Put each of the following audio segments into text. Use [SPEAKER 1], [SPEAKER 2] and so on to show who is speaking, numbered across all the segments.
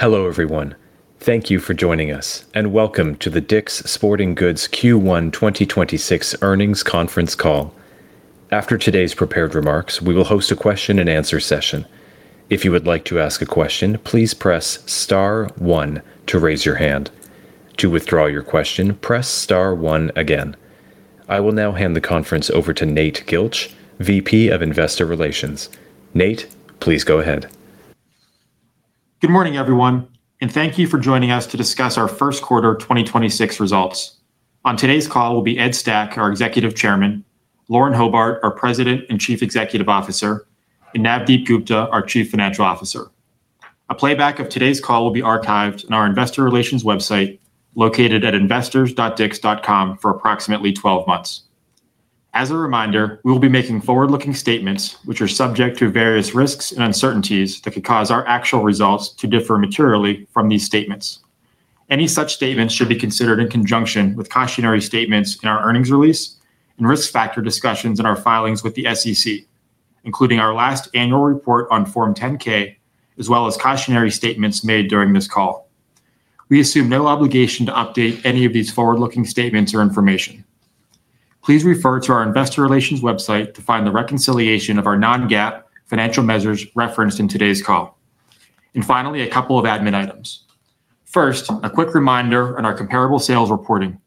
[SPEAKER 1] Hello, everyone. Thank you for joining us, and welcome to the DICK'S Sporting Goods Q1 2026 Earnings Conference Call. After today's prepared remarks, we will host a question-and-answer session. If you would like to ask a question, please press star one to raise your hand. To withdraw your question, press star one again. I will now hand the conference over to Nate Gilch, VP of Investor Relations. Nate, please go ahead.
[SPEAKER 2] Good morning, everyone, and thank you for joining us to discuss our first quarter 2026 results. On today's call will be Ed Stack, our Executive Chairman, Lauren Hobart, our President and Chief Executive Officer, and Navdeep Gupta, our Chief Financial Officer. A playback of today's call will be archived on our investor relations website, located at investors.dicks.com, for approximately 12 months. As a reminder, we will be making forward-looking statements which are subject to various risks and uncertainties that could cause our actual results to differ materially from these statements. Any such statements should be considered in conjunction with cautionary statements in our earnings release and risk factor discussions in our filings with the SEC, including our last annual report on Form 10-K, as well as cautionary statements made during this call. We assume no obligation to update any of these forward-looking statements or information. Please refer to our investor relations website to find the reconciliation of our non-GAAP financial measures referenced in today's call. Finally, a couple of admin items. First, a quick reminder on our comparable sales reporting.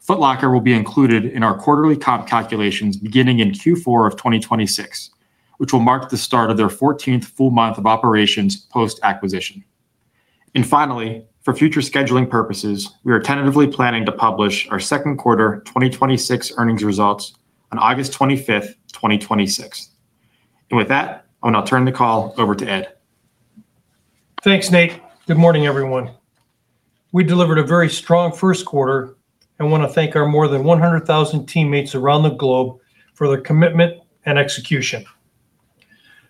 [SPEAKER 2] Foot Locker will be included in our quarterly comp calculations beginning in Q4 2026, which will mark the start of their 14th full month of operations post-acquisition. Finally, for future scheduling purposes, we are tentatively planning to publish our second quarter 2026 earnings results on August 25th, 2026. With that, I'll now turn the call over to Ed.
[SPEAKER 3] Thanks, Nate. Good morning, everyone. We delivered a very strong first quarter, and want to thank our more than 100,000 teammates around the globe for their commitment and execution.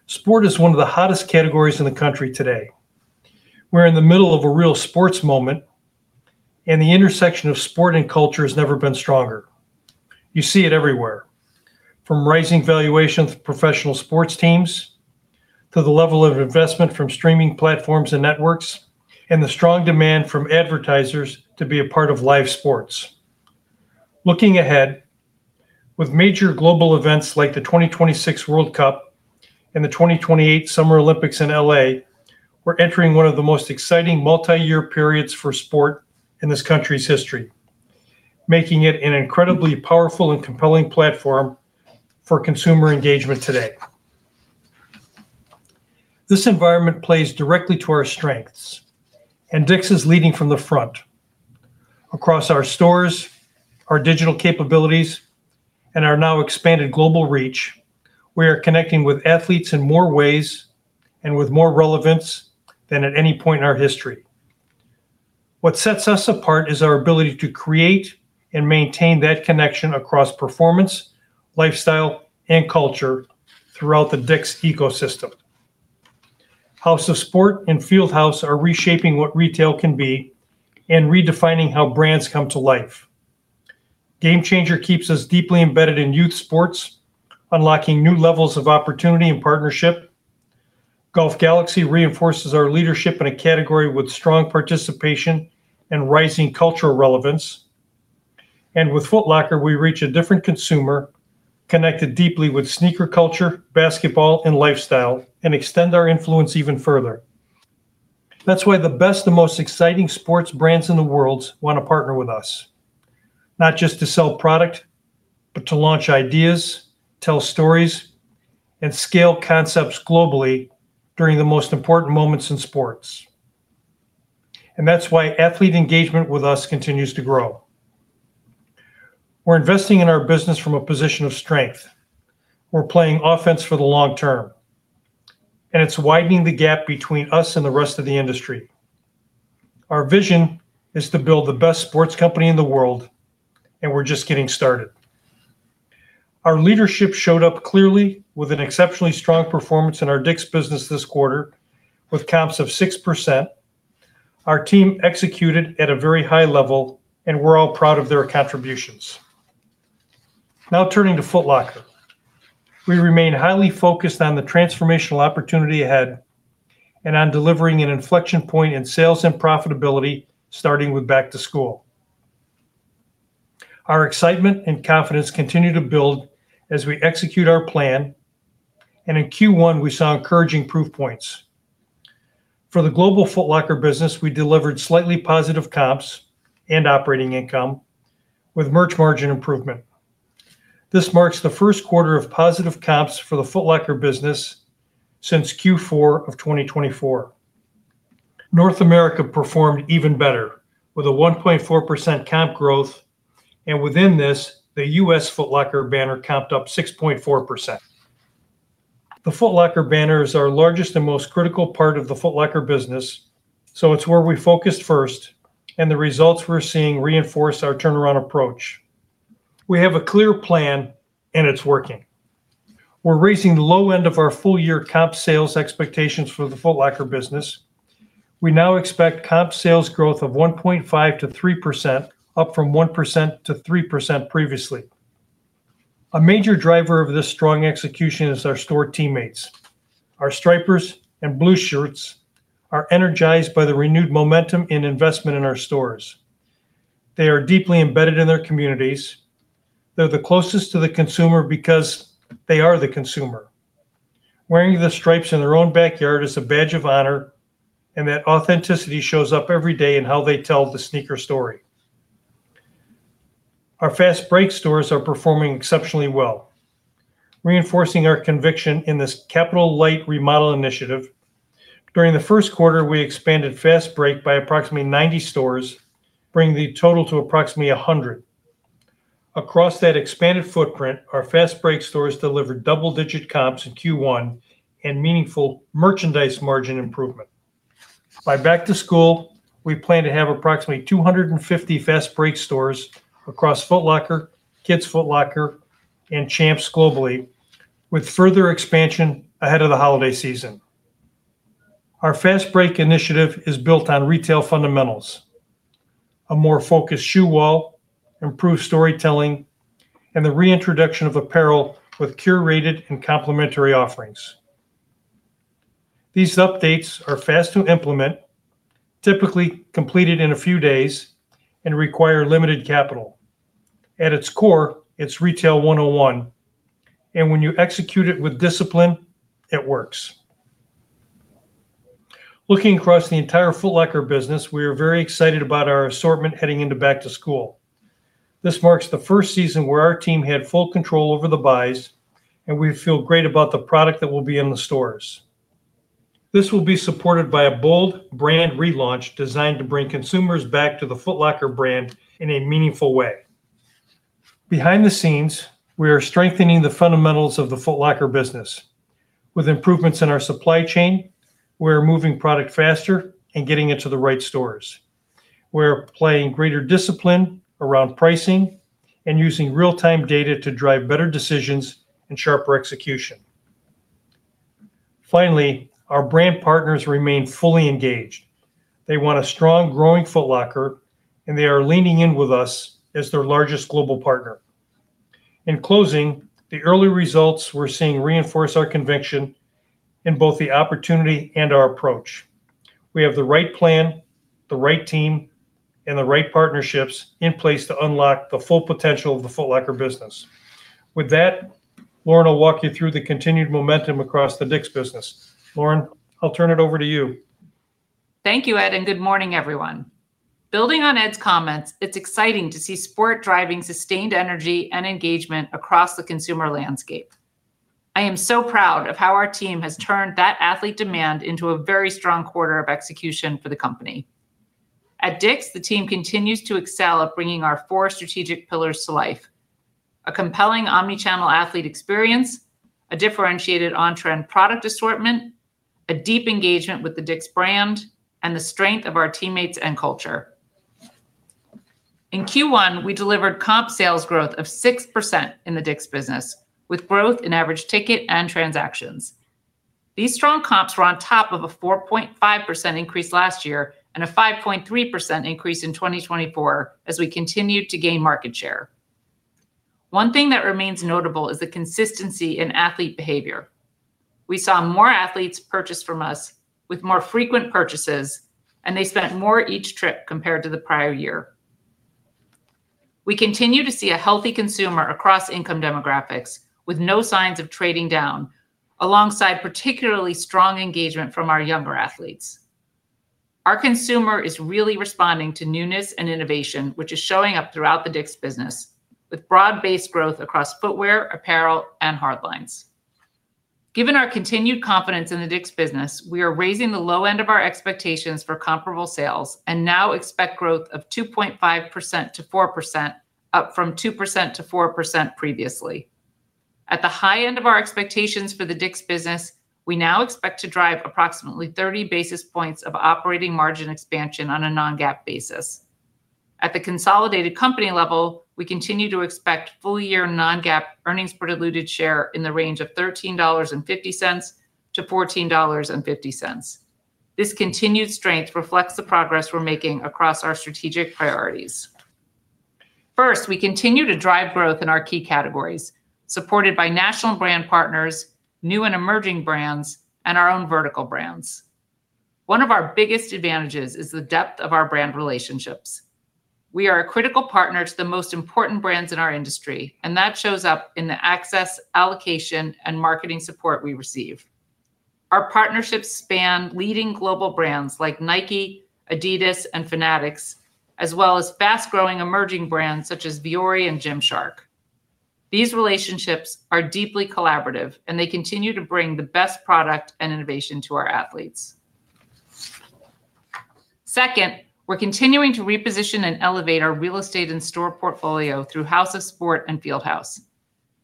[SPEAKER 3] Sport is one of the hottest categories in the country today. We're in the middle of a real sports moment, and the intersection of sport and culture has never been stronger. You see it everywhere, from rising valuations of professional sports teams, to the level of investment from streaming platforms and networks, and the strong demand from advertisers to be a part of live sports. Looking ahead, with major global events like the 2026 World Cup and the 2028 Summer Olympics in L.A., we're entering one of the most exciting multi-year periods for sport in this country's history, making it an incredibly powerful and compelling platform for consumer engagement today. This environment plays directly to our strengths, and DICK'S is leading from the front. Across our stores, our digital capabilities, and our now expanded global reach, we are connecting with athletes in more ways and with more relevance than at any point in our history. What sets us apart is our ability to create and maintain that connection across performance, lifestyle, and culture throughout the DICK'S ecosystem. House of Sport and Field House are reshaping what retail can be and redefining how brands come to life. GameChanger keeps us deeply embedded in youth sports, unlocking new levels of opportunity and partnership. Golf Galaxy reinforces our leadership in a category with strong participation and rising cultural relevance. With Foot Locker, we reach a different consumer, connected deeply with sneaker culture, basketball, and lifestyle, and extend our influence even further. That's why the best and most exciting sports brands in the world want to partner with us, not just to sell product, but to launch ideas, tell stories, and scale concepts globally during the most important moments in sports. That's why athlete engagement with us continues to grow. We're investing in our business from a position of strength. We're playing offense for the long term, and it's widening the gap between us and the rest of the industry. Our vision is to build the best sports company in the world, and we're just getting started. Our leadership showed up clearly with an exceptionally strong performance in our DICK'S business this quarter, with comps of 6%. Our team executed at a very high level, and we're all proud of their contributions. Turning to Foot Locker. We remain highly focused on the transformational opportunity ahead and on delivering an inflection point in sales and profitability, starting with back to school. Our excitement and confidence continue to build as we execute our plan, and in Q1, we saw encouraging proof points. For the global Foot Locker business, we delivered slightly positive comps and operating income with merch margin improvement. This marks the first quarter of positive comps for the Foot Locker business since Q4 of 2024. North America performed even better, with a 1.4% comp growth, and within this, the U.S. Foot Locker banner comped up 6.4%. The Foot Locker banner is our largest and most critical part of the Foot Locker business, so it's where we focused first, and the results we're seeing reinforce our turnaround approach. We have a clear plan, and it's working. We're raising the low end of our full-year comp sales expectations for the Foot Locker business. We now expect comp sales growth of 1.5%-3%, up from 1%-3% previously. A major driver of this strong execution is our store teammates. Our stripers and blue shirts are energized by the renewed momentum and investment in our stores. They are deeply embedded in their communities. They're the closest to the consumer because they are the consumer. Wearing the stripes in their own backyard is a badge of honor, and that authenticity shows up every day in how they tell the sneaker story. Our FastBreak stores are performing exceptionally well, reinforcing our conviction in this capital light remodel initiative. During the first quarter, we expanded FastBreak by approximately 90 stores, bringing the total to approximately 100. Across that expanded footprint, our Fast Break stores delivered double-digit comps in Q1 and meaningful merchandise margin improvement. By back to school, we plan to have approximately 250 Fast Break stores across Foot Locker, Kids Foot Locker, and Champs globally, with further expansion ahead of the holiday season. Our Fast Break initiative is built on retail fundamentals, a more focused shoe wall, improved storytelling, and the reintroduction of apparel with curated and complementary offerings. These updates are fast to implement, typically completed in a few days, and require limited capital. At its core, it's retail 101, and when you execute it with discipline, it works. Looking across the entire Foot Locker business, we are very excited about our assortment heading into back to school. This marks the first season where our team had full control over the buys, and we feel great about the product that will be in the stores. This will be supported by a bold brand relaunch designed to bring consumers back to the Foot Locker brand in a meaningful way. Behind the scenes, we are strengthening the fundamentals of the Foot Locker business. With improvements in our supply chain, we're moving product faster and getting it to the right stores. We're applying greater discipline around pricing and using real-time data to drive better decisions and sharper execution. Finally, our brand partners remain fully engaged. They want a strong, growing Foot Locker, and they are leaning in with us as their largest global partner. In closing, the early results we're seeing reinforce our conviction in both the opportunity and our approach. We have the right plan, the right team, and the right partnerships in place to unlock the full potential of the Foot Locker business. With that, Lauren will walk you through the continued momentum across the DICK'S business. Lauren, I'll turn it over to you.
[SPEAKER 4] Thank you, Ed, and good morning, everyone. Building on Ed's comments, it's exciting to see sport driving sustained energy and engagement across the consumer landscape. I am so proud of how our team has turned that athlete demand into a very strong quarter of execution for the company. At DICK'S, the team continues to excel at bringing our four strategic pillars to life, a compelling omnichannel athlete experience, a differentiated on-trend product assortment, a deep engagement with the DICK'S brand, and the strength of our teammates and culture. In Q1, we delivered comp sales growth of 6% in the DICK'S business, with growth in average ticket and transactions. These strong comps were on top of a 4.5% increase last year and a 5.3% increase in 2024 as we continued to gain market share. One thing that remains notable is the consistency in athlete behavior. We saw more athletes purchase from us with more frequent purchases, and they spent more each trip compared to the prior year. We continue to see a healthy consumer across income demographics with no signs of trading down, alongside particularly strong engagement from our younger athletes. Our consumer is really responding to newness and innovation, which is showing up throughout the DICK'S business with broad-based growth across footwear, apparel, and hard lines. Given our continued confidence in the DICK'S business, we are raising the low end of our expectations for comparable sales and now expect growth of 2.5%-4%, up from 2%-4% previously. At the high end of our expectations for the DICK'S business, we now expect to drive approximately 30 basis points of operating margin expansion on a non-GAAP basis. At the consolidated company level, we continue to expect full-year non-GAAP earnings per diluted share in the range of $13.50-$14.50. This continued strength reflects the progress we're making across our strategic priorities. First, we continue to drive growth in our key categories, supported by national brand partners, new and emerging brands, and our own vertical brands. One of our biggest advantages is the depth of our brand relationships. We are a critical partner to the most important brands in our industry, and that shows up in the access, allocation, and marketing support we receive. Our partnerships span leading global brands like Nike, Adidas, and Fanatics, as well as fast-growing emerging brands such as Vuori and Gymshark. These relationships are deeply collaborative, and they continue to bring the best product and innovation to our athletes. We're continuing to reposition and elevate our real estate and store portfolio through House of Sport and Field House.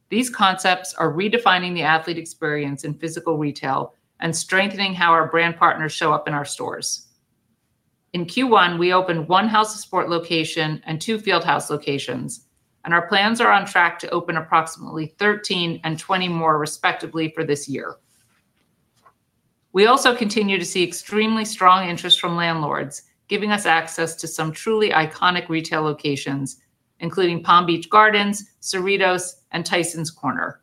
[SPEAKER 4] These concepts are redefining the athlete experience in physical retail and strengthening how our brand partners show up in our stores. In Q1, we opened one House of Sport location and two Field House locations, and our plans are on track to open approximately 13 and 20 more respectively for this year. We also continue to see extremely strong interest from landlords, giving us access to some truly iconic retail locations, including Palm Beach Gardens, Cerritos, and Tysons Corner.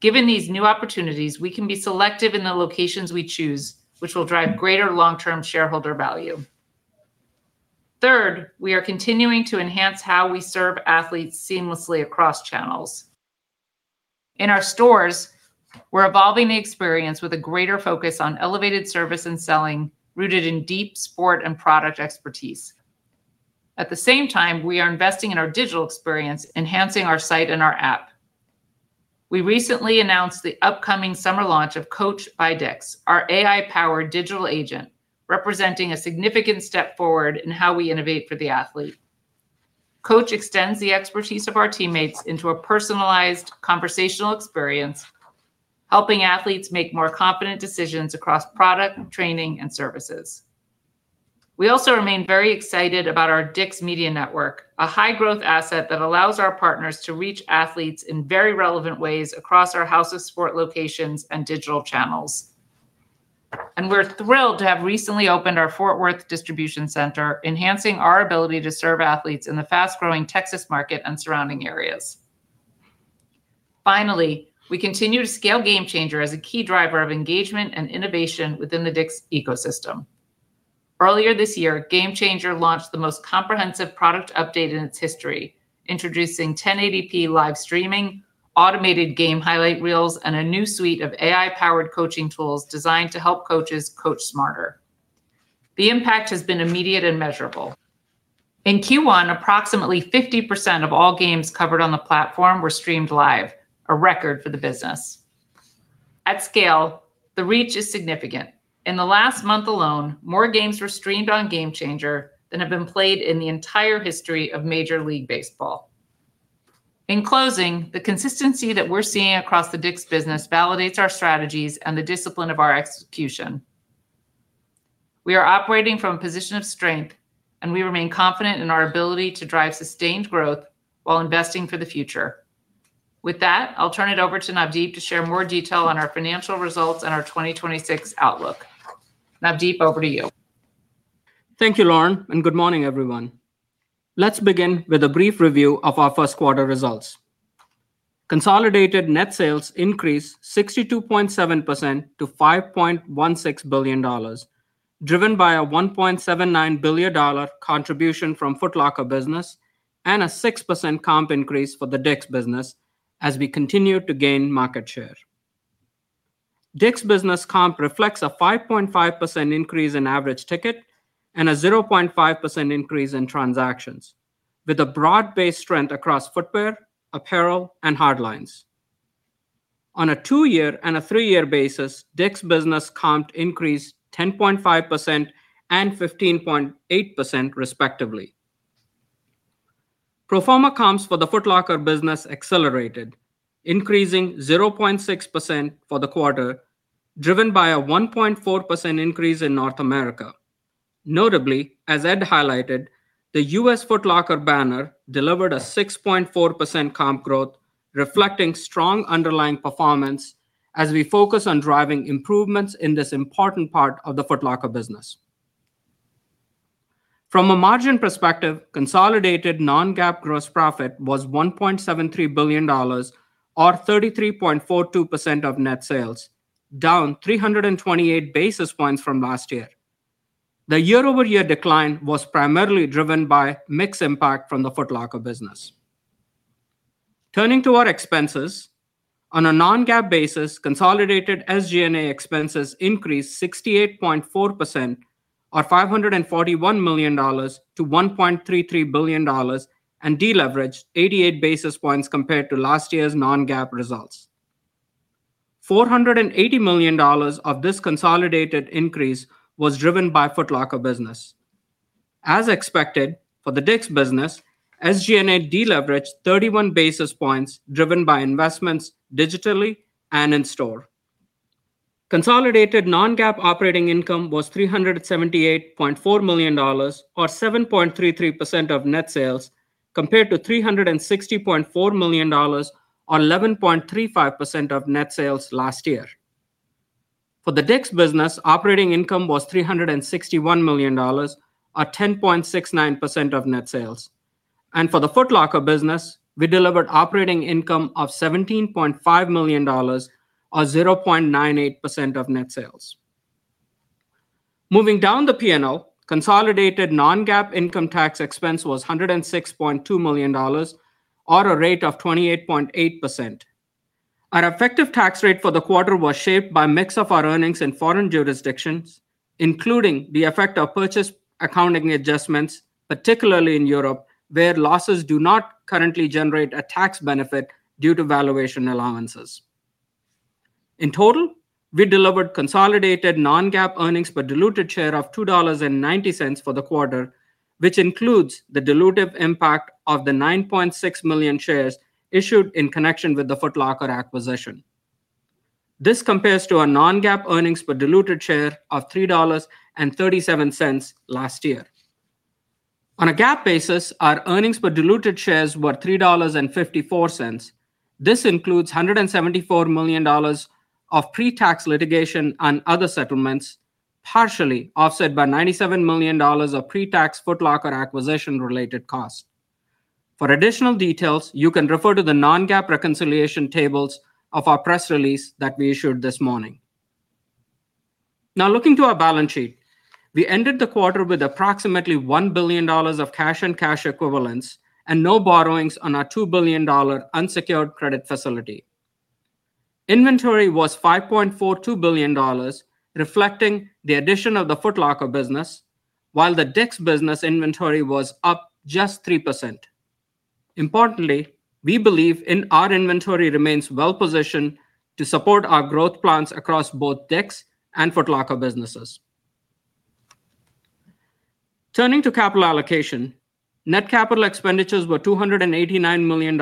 [SPEAKER 4] Given these new opportunities, we can be selective in the locations we choose, which will drive greater long-term shareholder value. We are continuing to enhance how we serve athletes seamlessly across channels. In our stores, we're evolving the experience with a greater focus on elevated service and selling, rooted in deep sport and product expertise. At the same time, we are investing in our digital experience, enhancing our site and our app. We recently announced the upcoming summer launch of Coach by DICK'S, our AI-powered digital agent, representing a significant step forward in how we innovate for the athlete. Coach extends the expertise of our teammates into a personalized conversational experience, helping athletes make more confident decisions across product, training, and services. We also remain very excited about our DICK'S Media Network, a high-growth asset that allows our partners to reach athletes in very relevant ways across our House of Sport locations and digital channels. We're thrilled to have recently opened our Fort Worth distribution center, enhancing our ability to serve athletes in the fast-growing Texas market and surrounding areas. Finally, we continue to scale GameChanger as a key driver of engagement and innovation within the DICK'S ecosystem. Earlier this year, GameChanger launched the most comprehensive product update in its history, introducing 1080p live streaming, automated game highlight reels, and a new suite of AI-powered coaching tools designed to help coaches coach smarter. The impact has been immediate and measurable. In Q1, approximately 50% of all games covered on the platform were streamed live, a record for the business. At scale, the reach is significant. In the last month alone, more games were streamed on GameChanger than have been played in the entire history of Major League Baseball. In closing, the consistency that we're seeing across the DICK'S business validates our strategies and the discipline of our execution. We are operating from a position of strength, and we remain confident in our ability to drive sustained growth while investing for the future. With that, I'll turn it over to Navdeep to share more detail on our financial results and our 2026 outlook. Navdeep, over to you.
[SPEAKER 5] Thank you, Lauren. Good morning, everyone. Let's begin with a brief review of our first quarter results. Consolidated net sales increased 62.7% to $5.16 billion, driven by a $1.79 billion contribution from Foot Locker business and a 6% comp increase for the DICK'S business as we continue to gain market share. DICK'S business comp reflects a 5.5% increase in average ticket and a 0.5% increase in transactions, with a broad-based trend across footwear, apparel, and hardlines. On a two-year and a three-year basis, DICK'S business comp increased 10.5% and 15.8%, respectively. Pro forma comps for the Foot Locker business accelerated, increasing 0.6% for the quarter, driven by a 1.4% increase in North America. Notably, as Ed highlighted, the U.S. Foot Locker banner delivered a 6.4% comp growth, reflecting strong underlying performance as we focus on driving improvements in this important part of the Foot Locker business. From a margin perspective, consolidated non-GAAP gross profit was $1.73 billion, or 33.42% of net sales, down 328 basis points from last year. The year-over-year decline was primarily driven by mix impact from the Foot Locker business. Turning to our expenses. On a non-GAAP basis, consolidated SG&A expenses increased 68.4%, or $541 million to $1.33 billion, and deleveraged 88 basis points compared to last year's non-GAAP results. $480 million of this consolidated increase was driven by Foot Locker business. As expected, for the DICK'S business, SG&A deleveraged 31 basis points, driven by investments digitally and in store. Consolidated non-GAAP operating income was $378.4 million, or 7.33% of net sales, compared to $360.4 million, or 11.35% of net sales last year. For the DICK'S business, operating income was $361 million, or 10.69% of net sales. For the Foot Locker business, we delivered operating income of $17.5 million, or 0.98% of net sales. Moving down the P&L, consolidated non-GAAP income tax expense was $106.2 million, or a rate of 28.8%. Our effective tax rate for the quarter was shaped by a mix of our earnings in foreign jurisdictions, including the effect of purchase accounting adjustments, particularly in Europe, where losses do not currently generate a tax benefit due to valuation allowances. In total, we delivered consolidated non-GAAP earnings per diluted share of $2.90 for the quarter, which includes the dilutive impact of the 9.6 million shares issued in connection with the Foot Locker acquisition. This compares to our non-GAAP earnings per diluted share of $3.37 last year. On a GAAP basis, our earnings per diluted shares were $3.54. This includes $174 million of pre-tax litigation and other settlements, partially offset by $97 million of pre-tax Foot Locker acquisition-related costs. For additional details, you can refer to the non-GAAP reconciliation tables of our press release that we issued this morning. Looking to our balance sheet. We ended the quarter with approximately $1 billion of cash and cash equivalents, and no borrowings on our $2 billion unsecured credit facility. Inventory was $5.42 billion, reflecting the addition of the Foot Locker business, while the DICK'S business inventory was up just 3%. Importantly, we believe our inventory remains well-positioned to support our growth plans across both DICK'S and Foot Locker businesses. Turning to capital allocation. Net capital expenditures were $289 million,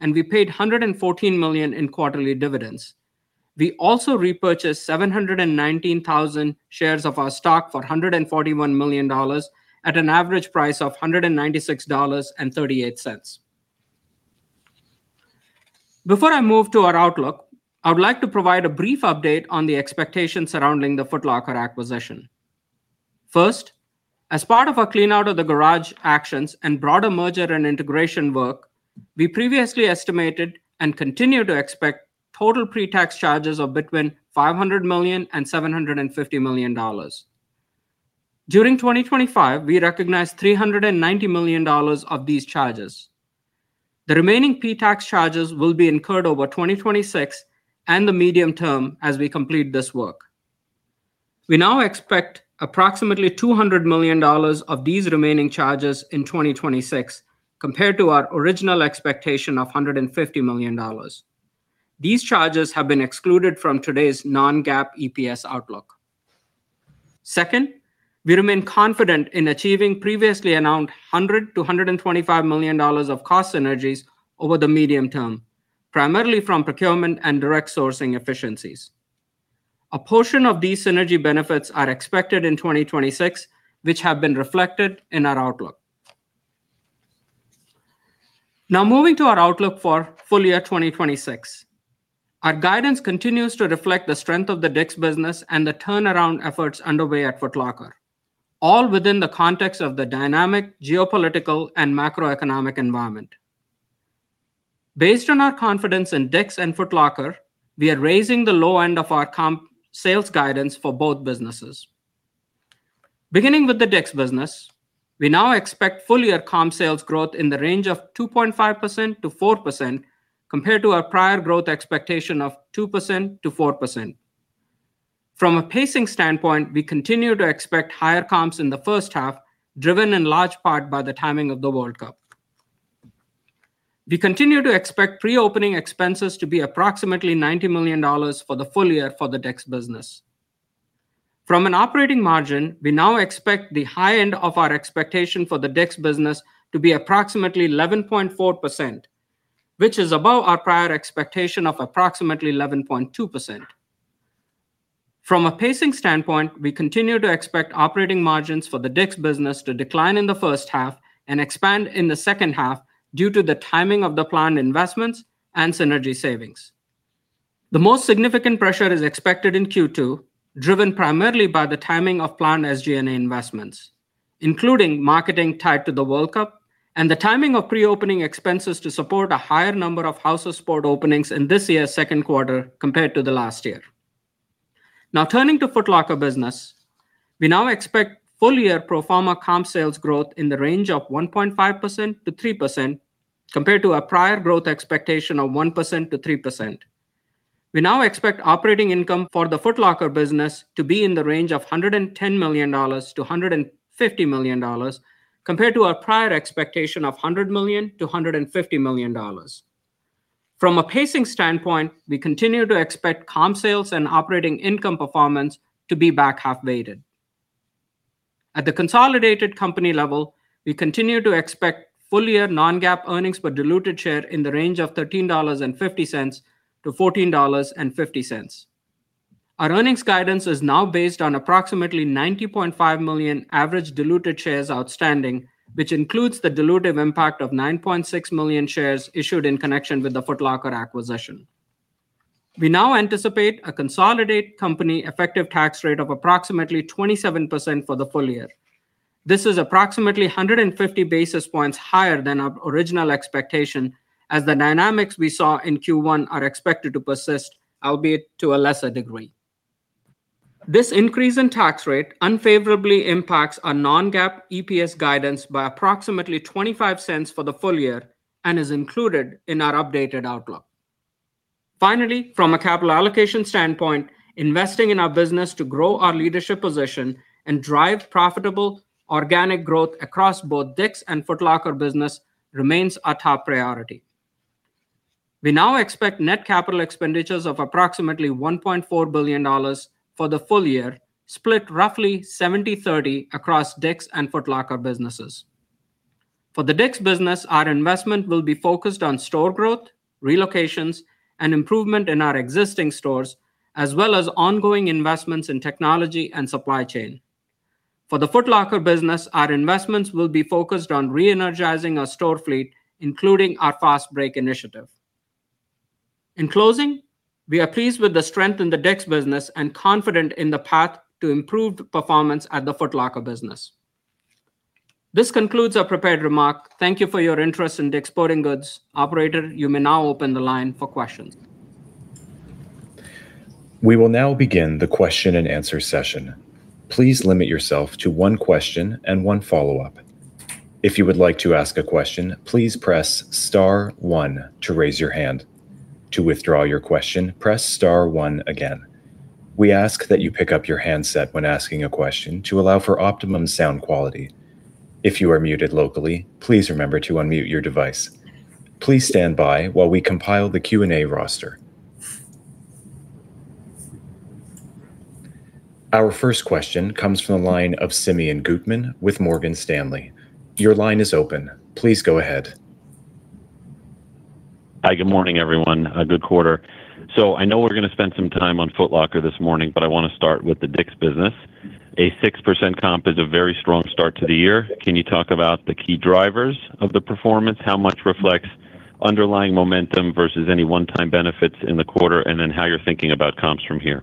[SPEAKER 5] and we paid $114 million in quarterly dividends. We also repurchased 719,000 shares of our stock for $141 million at an average price of $196.38. Before I move to our outlook, I would like to provide a brief update on the expectations surrounding the Foot Locker acquisition. First, as part of our clean out of the garage actions and broader merger and integration work, we previously estimated and continue to expect total pre-tax charges of between $500 million to $750 million. During 2025, we recognized $390 million of these charges. The remaining pre-tax charges will be incurred over 2026 and the medium term as we complete this work. We now expect approximately $200 million of these remaining charges in 2026, compared to our original expectation of $150 million. These charges have been excluded from today's non-GAAP EPS outlook. Second, we remain confident in achieving previously announced $100 million to $125 million of cost synergies over the medium term, primarily from procurement and direct sourcing efficiencies. A portion of these synergy benefits are expected in 2026, which have been reflected in our outlook. Now moving to our outlook for full-year 2026. Our guidance continues to reflect the strength of the DICK'S business and the turnaround efforts underway at Foot Locker, all within the context of the dynamic geopolitical and macroeconomic environment. Based on our confidence in DICK'S and Foot Locker, we are raising the low end of our comp sales guidance for both businesses. Beginning with the DICK'S business, we now expect full-year comp sales growth in the range of 2.5%-4%, compared to our prior growth expectation of 2%-4%. From a pacing standpoint, we continue to expect higher comps in the first half, driven in large part by the timing of the World Cup. We continue to expect pre-opening expenses to be approximately $90 million for the full-year for the DICK'S business. From an operating margin, we now expect the high end of our expectation for the DICK'S business to be approximately 11.4%, which is above our prior expectation of approximately 11.2%. From a pacing standpoint, we continue to expect operating margins for the DICK'S business to decline in the first half and expand in the second half due to the timing of the planned investments and synergy savings. The most significant pressure is expected in Q2, driven primarily by the timing of planned SG&A investments, including marketing tied to the World Cup, and the timing of pre-opening expenses to support a higher number of House of Sport openings in this year's second quarter compared to the last year. Turning to Foot Locker business. We now expect full-year pro forma comp sales growth in the range of 1.5% to 3%, compared to our prior growth expectation of 1% to 3%. We now expect operating income for the Foot Locker business to be in the range of $110 million to $150 million, compared to our prior expectation of $100 million to $150 million. From a pacing standpoint, we continue to expect comp sales and operating income performance to be back half weighted. At the consolidated company level, we continue to expect full-year non-GAAP earnings per diluted share in the range of $13.50 to $14.50. Our earnings guidance is now based on approximately 90.5 million average diluted shares outstanding, which includes the dilutive impact of 9.6 million shares issued in connection with the Foot Locker acquisition. We now anticipate a consolidated company effective tax rate of approximately 27% for the full-year. This is approximately 150 basis points higher than our original expectation, as the dynamics we saw in Q1 are expected to persist, albeit to a lesser degree. This increase in tax rate unfavorably impacts our non-GAAP EPS guidance by approximately $0.25 for the full-year and is included in our updated outlook. From a capital allocation standpoint, investing in our business to grow our leadership position and drive profitable organic growth across both DICK'S and Foot Locker business remains our top priority. We now expect net capital expenditures of approximately $1.4 billion for the full-year, split roughly 70/30 across DICK'S and Foot Locker businesses. For the DICK'S business, our investment will be focused on store growth, relocations, and improvement in our existing stores, as well as ongoing investments in technology and supply chain. For the Foot Locker business, our investments will be focused on re-energizing our store fleet, including our Fast Break initiative. In closing, we are pleased with the strength in the DICK'S business and confident in the path to improved performance at the Foot Locker business. This concludes our prepared remarks. Thank you for your interest in DICK'S Sporting Goods. Operator, you may now open the line for questions.
[SPEAKER 1] We will now begin the question-and-answer session. Please limit yourself to one question and one follow-up. If you would like to ask a question, please press star one to raise your hand. To withdraw your question, press star one again. We ask that you pick up your handset when asking a question to allow for optimum sound quality. If you are muted locally, please remember to unmute your device. Please stand by while we compile the Q&A roster. Our first question comes from the line of Simeon Gutman with Morgan Stanley. Your line is open. Please go ahead.
[SPEAKER 6] Hi, good morning, everyone. A good quarter. I know we're going to spend some time on Foot Locker this morning, but I want to start with the DICK'S business. A 6% comp is a very strong start to the year. Can you talk about the key drivers of the performance, how much reflects underlying momentum versus any one-time benefits in the quarter, and then how you're thinking about comps from here?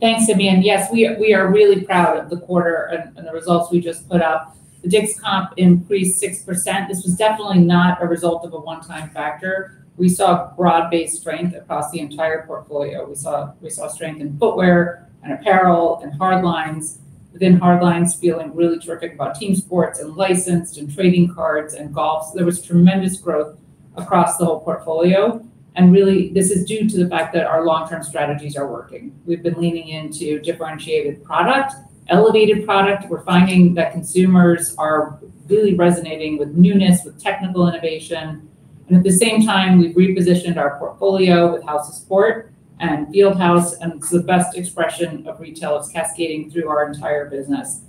[SPEAKER 4] Thanks, Simeon. We are really proud of the quarter and the results we just put up. The DICK'S comp increased 6%. This was definitely not a result of a one-time factor. We saw broad-based strength across the entire portfolio. We saw strength in footwear and apparel and hard lines, within hard lines feeling really terrific about team sports and licensed and trading cards and golf. There was tremendous growth across the whole portfolio, and really, this is due to the fact that our long-term strategies are working. We've been leaning into differentiated product, elevated product. We're finding that consumers are really resonating with newness, with technical innovation, and at the same time, we've repositioned our portfolio with House of Sport and Field House, and the best expression of retail is cascading through our entire business.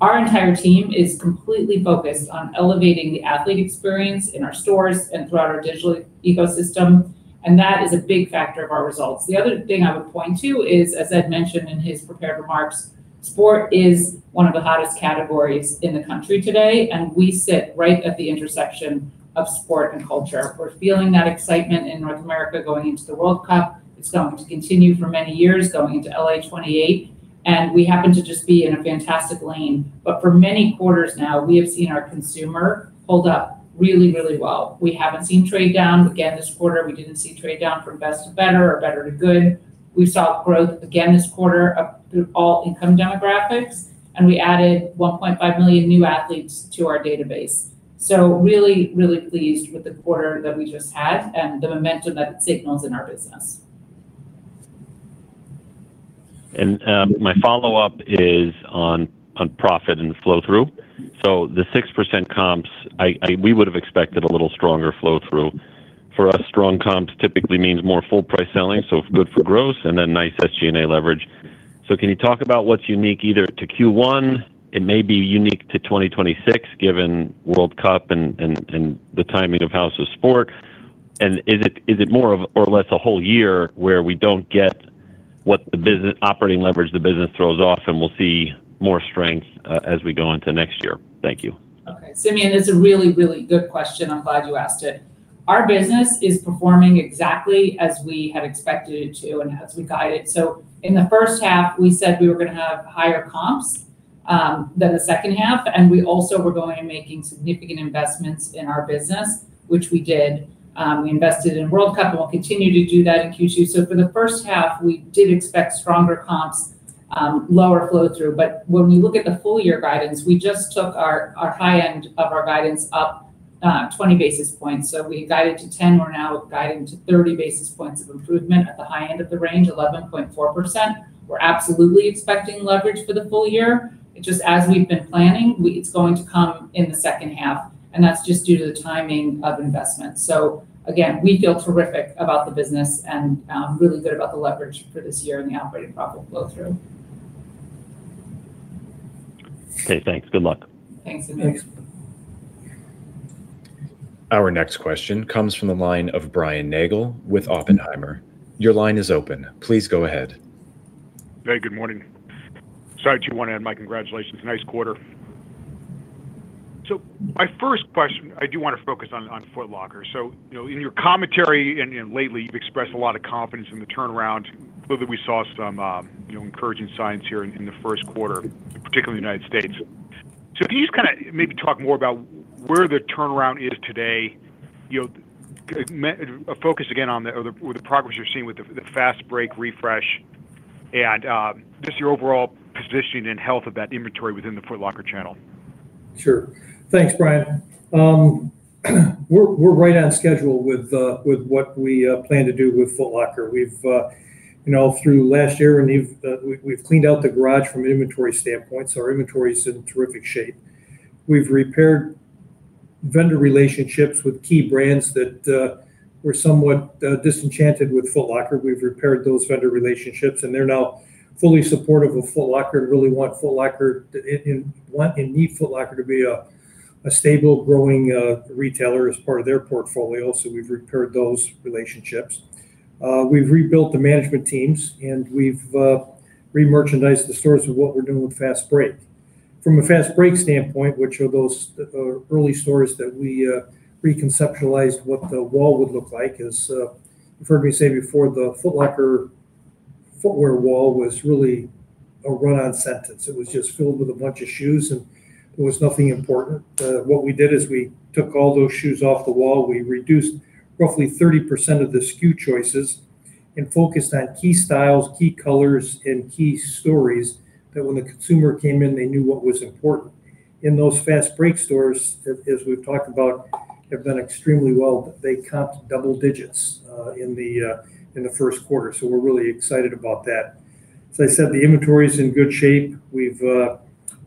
[SPEAKER 4] Our entire team is completely focused on elevating the athlete experience in our stores and throughout our digital ecosystem, that is a big factor of our results. The other thing I would point to is, as Ed mentioned in his prepared remarks, sport is one of the hottest categories in the country today, we sit right at the intersection of sport and culture. We're feeling that excitement in North America going into the World Cup. It's going to continue for many years going into LA28, we happen to just be in a fantastic lane. For many quarters now, we have seen our consumer hold up really, really well. We haven't seen trade down again this quarter. We didn't see trade down from best to better or better to good. We saw growth again this quarter through all income demographics, and we added 1.5 million new athletes to our database. Really pleased with the quarter that we just had and the momentum that it signals in our business.
[SPEAKER 6] My follow-up is on profit and flow through. The 6% comps, we would have expected a little stronger flow through. For us, strong comps typically means more full price selling, so good for gross and then nice SG&A leverage. Can you talk about what's unique either to Q1, it may be unique to 2026 given World Cup and the timing of House of Sport, and is it more or less a whole year where we don't get what operating leverage the business throws off and we'll see more strength as we go into next year? Thank you.
[SPEAKER 4] Okay. Simeon, it's a really, really good question. I'm glad you asked it. Our business is performing exactly as we had expected it to and as we guided. In the first half, we said we were going to have higher comps than the second half, and we also were going and making significant investments in our business, which we did. We invested in World Cup, and we'll continue to do that in Q2. For the first half, we did expect stronger comps, lower flow through. When we look at the full-year guidance, we just took our high end of our guidance up 20 basis points. We guided to 10, we're now guiding to 30 basis points of improvement at the high end of the range, 11.4%. We're absolutely expecting leverage for the full-year. Just as we've been planning, it's going to come in the second half, and that's just due to the timing of investments. Again, we feel terrific about the business and really good about the leverage for this year and the operating profit flow through.
[SPEAKER 6] Okay, thanks. Good luck.
[SPEAKER 4] Thanks, Simeon.
[SPEAKER 6] Thanks.
[SPEAKER 1] Our next question comes from the line of Brian Nagel with Oppenheimer. Your line is open. Please go ahead.
[SPEAKER 7] Hey, good morning. Sorry, I do want to add my congratulations. Nice quarter. My first question, I do want to focus on Foot Locker. In your commentary and lately you've expressed a lot of confidence in the turnaround, whether we saw some encouraging signs here in the first quarter, particularly United States. Can you just maybe talk more about where the turnaround is today? Focus again on the progress you're seeing with the Fast Break refresh and just your overall positioning and health of that inventory within the Foot Locker channel.
[SPEAKER 3] Sure. Thanks, Brian. We're right on schedule with what we plan to do with Foot Locker. Through last year, we've cleaned out the garage from an inventory standpoint, so our inventory is in terrific shape. We've repaired vendor relationships with key brands that were somewhat disenchanted with Foot Locker. We've repaired those vendor relationships, and they're now fully supportive of Foot Locker and really want and need Foot Locker to be a stable, growing retailer as part of their portfolio. We've repaired those relationships. We've rebuilt the management teams, and we've remerchandised the stores with what we're doing with FastBreak. From a FastBreak standpoint, which are those early stores that we reconceptualized what the wall would look like, as you've heard me say before, the Foot Locker footwear wall was really a run-on sentence. It was just filled with a bunch of shoes, and there was nothing important. What we did is we took all those shoes off the wall. We reduced roughly 30% of the SKU choices and focused on key styles, key colors, and key stories that when the consumer came in, they knew what was important. Those Fast Break stores, as we've talked about, have done extremely well. They comped double digits in the first quarter, so we're really excited about that. As I said, the inventory's in good shape. We've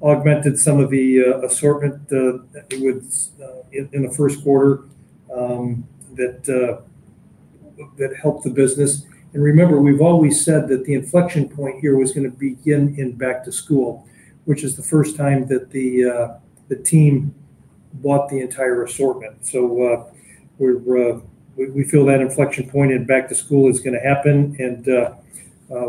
[SPEAKER 3] augmented some of the assortment in the first quarter that helped the business. Remember, we've always said that the inflection point here was going to begin in back to school, which is the first time that the team bought the entire assortment. We feel that inflection point in back to school is going to happen, and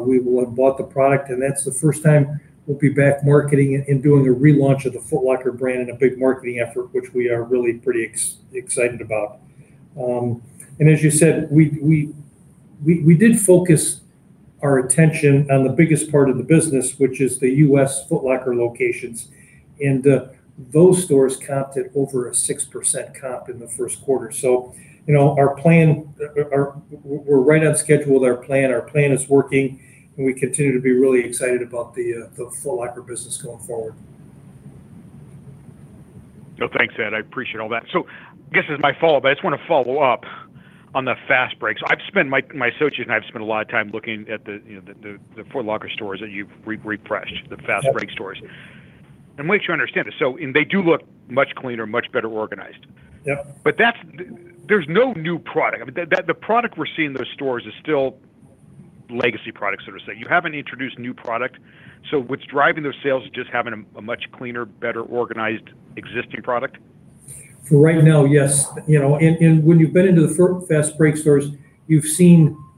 [SPEAKER 3] we will have bought the product, and that's the first time we'll be back marketing and doing a relaunch of the Foot Locker brand and a big marketing effort, which we are really pretty excited about. As you said, we did focus our attention on the biggest part of the business, which is the U.S. Foot Locker locations. Those stores comped at over a 6% comp in the first quarter. We're right on schedule with our plan. Our plan is working, and we continue to be really excited about the Foot Locker business going forward.
[SPEAKER 7] Thanks, Ed. I appreciate all that. This is my fault, but I just want to follow up on the Fast Break. My associates and I have spent a lot of time looking at the Foot Locker stores that you've refreshed, the Fast Break stores.
[SPEAKER 3] Yeah.
[SPEAKER 7] We actually understand this. They do look much cleaner, much better organized.
[SPEAKER 3] Yep.
[SPEAKER 7] There's no new product. The product we're seeing in those stores is still legacy products that are set. You haven't introduced a new product. What's driving those sales is just having a much cleaner, better organized existing product?
[SPEAKER 3] For right now, yes. When you've been into the Fast Break stores,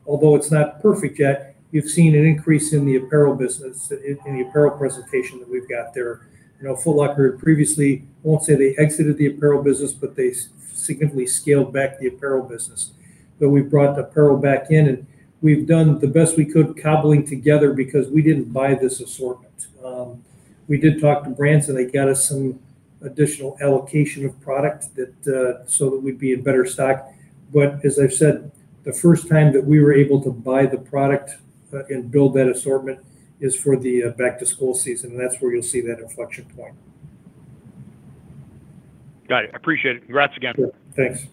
[SPEAKER 3] although it's not perfect yet, you've seen an increase in the apparel business, in the apparel presentation that we've got there. Foot Locker previously, I won't say they exited the apparel business, but they significantly scaled back the apparel business. We've brought the apparel back in, and we've done the best we could cobbling together because we didn't buy this assortment. We did talk to brands, and they got us some additional allocation of product so that we'd be in better stock. As I've said, the first time that we were able to buy the product and build that assortment is for the back-to-school season, and that's where you'll see that inflection point.
[SPEAKER 7] Got it. Appreciate it. Congrats again.
[SPEAKER 3] Sure. Thanks.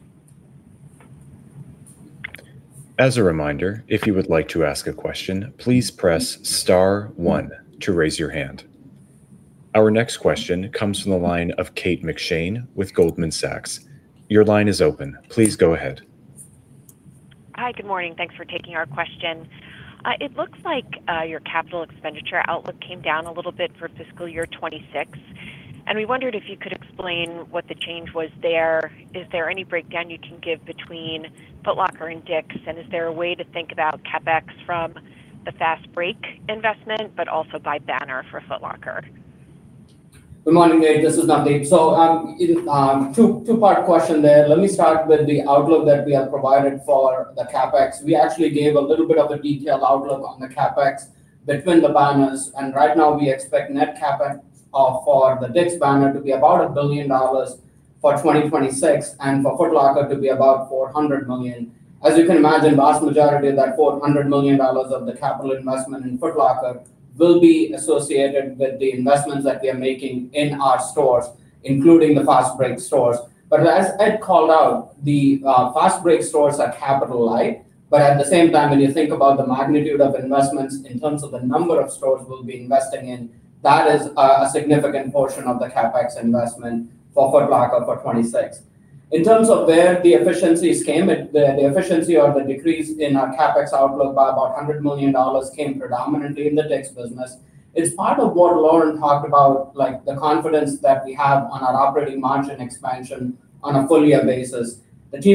[SPEAKER 1] As a reminder, if you would like to ask a question, please press star one to raise your hand. Our next question comes from the line of Kate McShane with Goldman Sachs. Your line is open. Please go ahead.
[SPEAKER 8] Hi. Good morning. Thanks for taking our question. It looks like your capital expenditure outlook came down a little bit for fiscal year 2026. We wondered if you could explain what the change was there. Is there any breakdown you can give between Foot Locker and DICK'S? Is there a way to think about CapEx from the FastBreak investment, but also by banner for Foot Locker?
[SPEAKER 5] Good morning, Kate. This is Navdeep. Two-part question there. Let me start with the outlook that we have provided for the CapEx. We actually gave a little bit of a detailed outlook on the CapEx between the banners, and right now we expect net CapEx for the DICK'S banner to be about $1 billion for 2026, and for Foot Locker to be about $400 million. As you can imagine, vast majority of that $400 million of the capital investment in Foot Locker will be associated with the investments that we are making in our stores, including the Fast Break stores. As Ed called out, the Fast Break stores are capital light, but at the same time, when you think about the magnitude of investments in terms of the number of stores we'll be investing in, that is a significant portion of the CapEx investment for Foot Locker for 2026. In terms of where the efficiencies came, the efficiency or the decrease in our CapEx outlook by about $100 million came predominantly in the DICK'S business. It's part of what Lauren talked about, the confidence that we have on our operating margin expansion on a full-year basis. What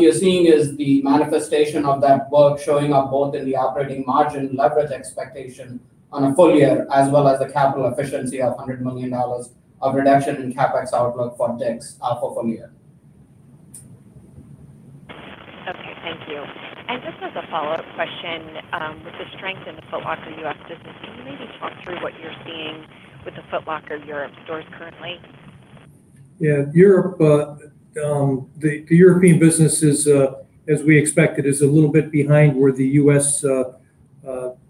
[SPEAKER 5] you're seeing is the manifestation of that work showing up both in the operating margin leverage expectation on a full-year, as well as the capital efficiency of $100 million of reduction in CapEx outlook for DICK'S for full-year.
[SPEAKER 8] Okay. Thank you. Just as a follow-up question with the strength in the Foot Locker U.S. business, can you maybe talk through what you're seeing with the Foot Locker Europe stores currently?
[SPEAKER 3] Yeah. The European business, as we expected, is a little bit behind where the U.S.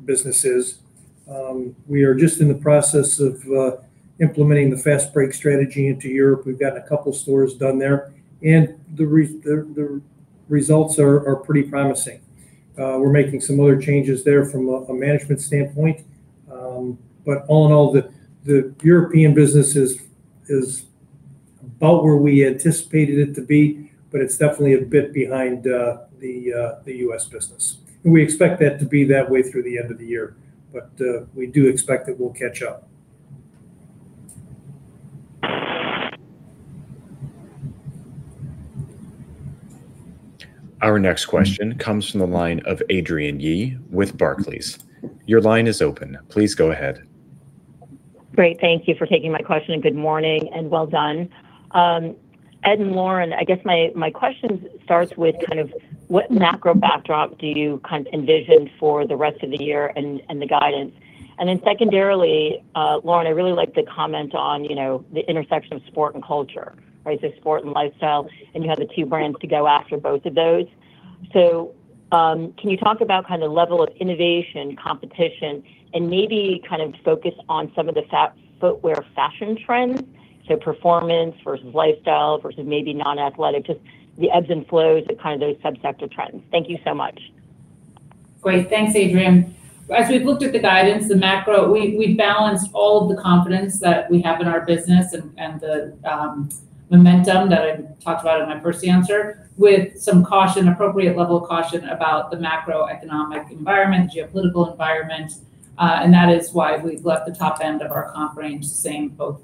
[SPEAKER 3] business is. We are just in the process of implementing the FastBreak strategy into Europe. We've gotten a couple stores done there, and the results are pretty promising. We're making some other changes there from a management standpoint. All in all, the European business is about where we anticipated it to be, but it's definitely a bit behind the U.S. business. We expect that to be that way through the end of the year. We do expect that we'll catch up.
[SPEAKER 1] Our next question comes from the line of Adrienne Yih with Barclays. Your line is open. Please go ahead.
[SPEAKER 9] Great. Thank you for taking my question. Good morning and well done. Ed and Lauren, I guess my question starts with what macro backdrop do you envision for the rest of the year and the guidance? Then secondarily, Lauren, I really like the comment on the intersection of sport and culture. Sport and lifestyle, you have the two brands to go after both of those. Can you talk about level of innovation, competition, and maybe focus on some of the footwear fashion trends? Performance versus lifestyle versus maybe non-athletic, just the ebbs and flows of those subsector trends. Thank you so much.
[SPEAKER 4] Great. Thanks, Adrienne. As we've looked at the guidance, the macro, we've balanced all of the confidence that we have in our business and the momentum that I talked about in my first answer with some caution, appropriate level of caution about the macroeconomic environment, geopolitical environment. That is why we've left the top end of our comp range the same, both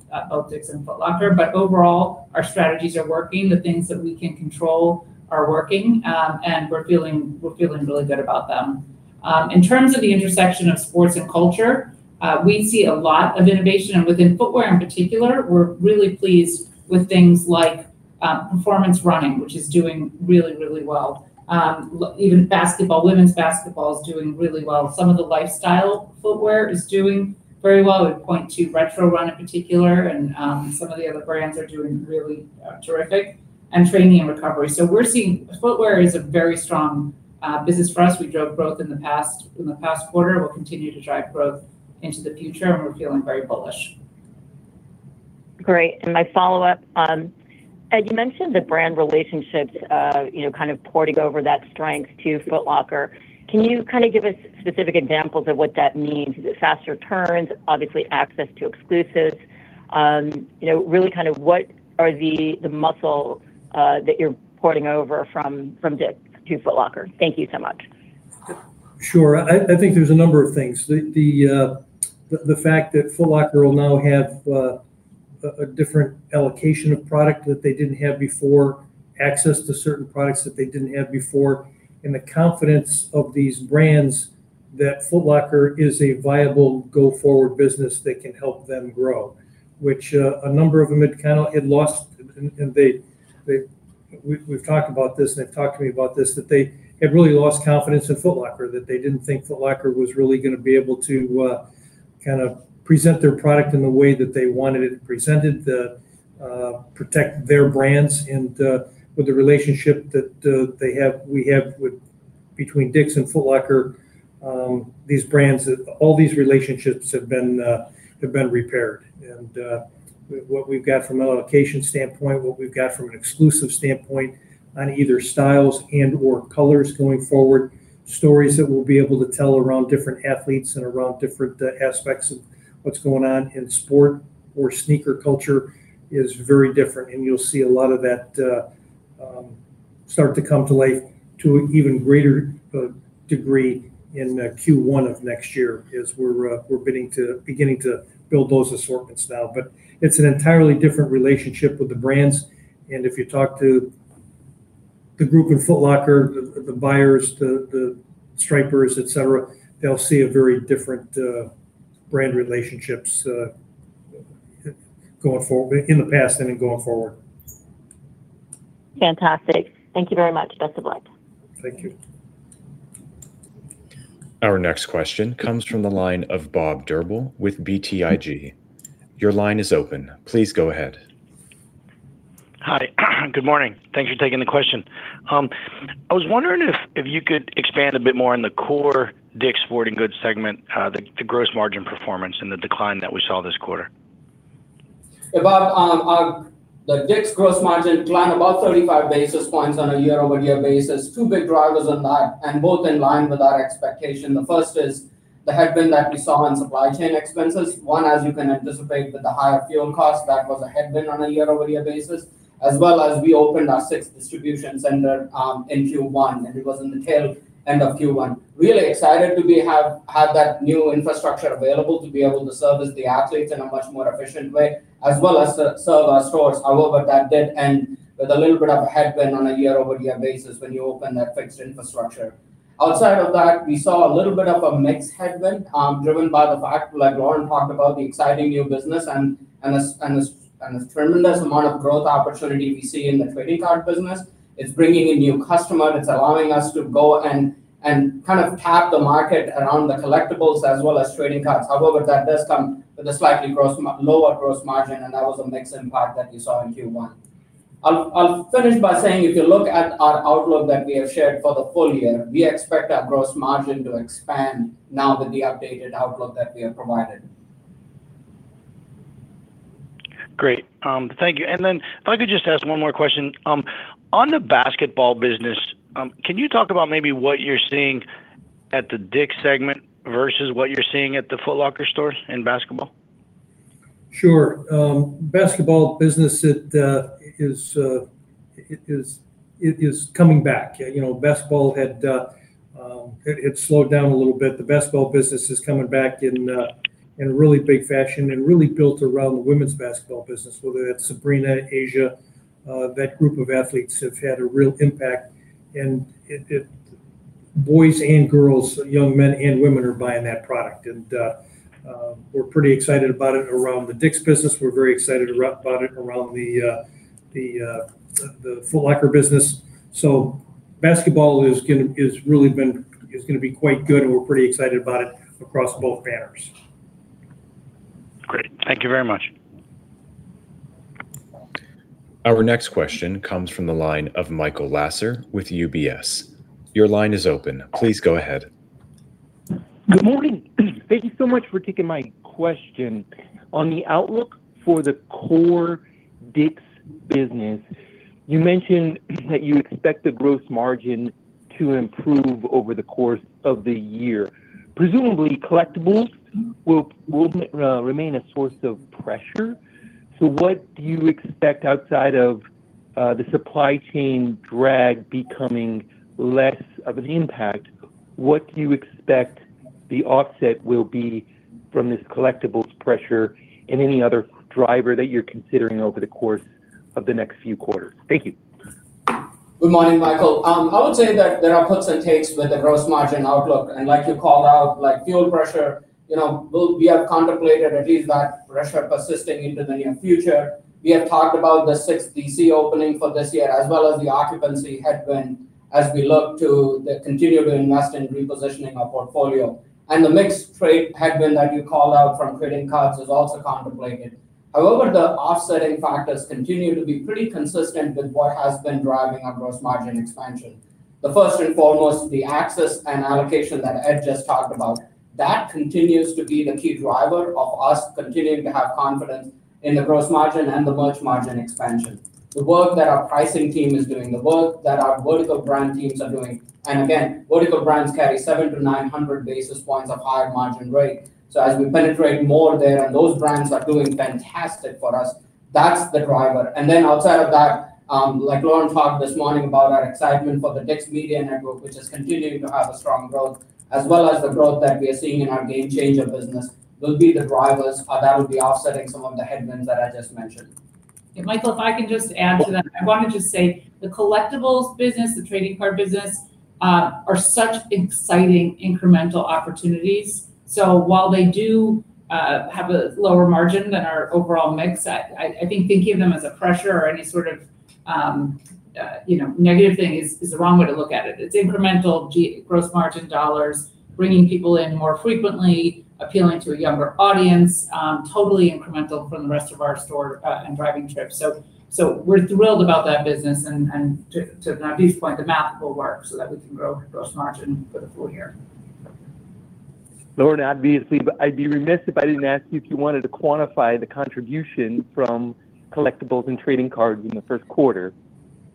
[SPEAKER 4] DICK'S and Foot Locker. Overall, our strategies are working. The things that we can control are working. We're feeling really good about them. In terms of the intersection of sports and culture, we see a lot of innovation. Within footwear in particular, we're really pleased with things like performance running, which is doing really well. Even basketball, women's basketball is doing really well. Some of the lifestyle footwear is doing very well. I would point to Retro Run in particular, and some of the other brands are doing really terrific, and training and recovery. We're seeing footwear is a very strong business for us. We drove growth in the past quarter, we'll continue to drive growth into the future, and we're feeling very bullish.
[SPEAKER 9] Great, my follow-up. Ed, you mentioned the brand relationships, porting over that strength to Foot Locker. Can you give us specific examples of what that means? Is it faster turns, obviously access to exclusives? Really what are the muscle that you're porting over from DICK'S to Foot Locker? Thank you so much.
[SPEAKER 3] Sure. I think there's a number of things. The fact that Foot Locker will now have a different allocation of product that they didn't have before, access to certain products that they didn't have before, and the confidence of these brands that Foot Locker is a viable go-forward business that can help them grow. Which a number of them had lost, and we've talked about this, and they've talked to me about this, that they had really lost confidence in Foot Locker, that they didn't think Foot Locker was really going to be able to present their product in the way that they wanted it presented to protect their brands and with the relationship that we have between DICK'S and Foot Locker. All these relationships have been repaired. What we've got from an allocation standpoint, what we've got from an exclusive standpoint on either styles and/or colors going forward, stories that we'll be able to tell around different athletes and around different aspects of what's going on in sport or sneaker culture is very different. You'll see a lot of that start to come to light to an even greater degree in Q1 of next year, as we're beginning to build those assortments now. It's an entirely different relationship with the brands, and if you talk to the group in Foot Locker, the buyers, the stripers, et cetera, they'll see a very different brand relationships in the past and in going forward.
[SPEAKER 9] Fantastic. Thank you very much. Best of luck.
[SPEAKER 3] Thank you.
[SPEAKER 1] Our next question comes from the line of Bob Drbul with BTIG. Your line is open. Please go ahead.
[SPEAKER 10] Hi. Good morning. Thanks for taking the question. I was wondering if you could expand a bit more on the core DICK'S Sporting Goods segment, the gross margin performance, and the decline that we saw this quarter.
[SPEAKER 5] Bob, the DICK'S gross margin declined about 35 basis points on a year-over-year basis. Two big drivers of that, and both in line with our expectation. The first is the headwind that we saw on supply chain expenses. One, as you can anticipate with the higher fuel cost, that was a headwind on a year-over-year basis, as well as we opened our sixth distribution center in Q1, and it was in the tail end of Q1. Really excited to have had that new infrastructure available to be able to service the athletes in a much more efficient way, as well as serve our stores. That did end with a little bit of a headwind on a year-over-year basis when you open that fixed infrastructure. Outside of that, we saw a little bit of a mix headwind driven by the fact, like Lauren talked about, the exciting new business and the tremendous amount of growth opportunity we see in the trading card business. It's bringing in new customer, it's allowing us to go and tap the market around the collectibles as well as trading cards. However, that does come with a slightly lower gross margin, and that was a mix impact that you saw in Q1. I'll finish by saying, if you look at our outlook that we have shared for the full-year, we expect our gross margin to expand now with the updated outlook that we have provided.
[SPEAKER 10] Great. Thank you. If I could just ask one more question. On the basketball business, can you talk about maybe what you're seeing at the DICK'S segment versus what you're seeing at the Foot Locker stores in basketball?
[SPEAKER 3] Sure. Basketball business, it is coming back. Basketball had slowed down a little bit. The basketball business is coming back in a really big fashion and really built around the women's basketball business, whether that's Sabrina, A'ja Wilson, that group of athletes have had a real impact and boys and girls, young men and women are buying that product. We're pretty excited about it around the DICK'S business. We're very excited about it around the Foot Locker business. Basketball is going to be quite good, and we're pretty excited about it across both banners.
[SPEAKER 10] Great. Thank you very much.
[SPEAKER 1] Our next question comes from the line of Michael Lasser with UBS. Your line is open. Please go ahead.
[SPEAKER 11] Good morning. Thank you so much for taking my question. On the outlook for the core DICK'S business, you mentioned that you expect the gross margin to improve over the course of the year. Presumably, collectibles will remain a source of pressure. What do you expect outside of the supply chain drag becoming less of an impact, what do you expect the offset will be from this collectibles pressure and any other driver that you're considering over the course of the next few quarters? Thank you.
[SPEAKER 5] Good morning, Michael. I would say that there are puts and takes with the gross margin outlook, and like you called out, like fuel pressure, we have contemplated at least that pressure persisting into the near future. We have talked about the six D.C. opening for this year, as well as the occupancy headwind as we look to continue to invest in repositioning our portfolio. The mixed trade headwind that you called out from trading cards is also contemplated. However, the offsetting factors continue to be pretty consistent with what has been driving our gross margin expansion. The first and foremost, the access and allocation that Ed just talked about. That continues to be the key driver of us continuing to have confidence in the gross margin and the merch margin expansion. The work that our pricing team is doing, the work that our vertical brand teams are doing, again, vertical brands carry 700 to 900 basis points of higher margin rate. As we penetrate more there, those brands are doing fantastic for us, that's the driver. Then outside of that, like Lauren talked this morning about our excitement for the DICK'S Media Network, which is continuing to have a strong growth, as well as the growth that we are seeing in our GameChanger business, will be the drivers, or that will be offsetting some of the headwinds that I just mentioned.
[SPEAKER 4] Michael, if I can just add to that. I want to just say, the collectibles business, the trading card business, are such exciting incremental opportunities. While they do have a lower margin than our overall mix, I think thinking of them as a pressure or any sort of negative thing is the wrong way to look at it. It's incremental gross margin dollars, bringing people in more frequently, appealing to a younger audience, totally incremental from the rest of our store, and driving trips. We're thrilled about that business and to Navdeep's point, the math will work so that we can grow gross margin for the full-year.
[SPEAKER 11] Lauren, obviously, but I'd be remiss if I didn't ask you if you wanted to quantify the contribution from collectibles and trading cards in the first quarter.